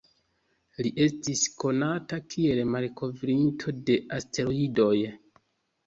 Li estis konata kiel malkovrinto de asteroidoj.